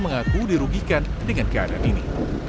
nanti servisnya kayak gini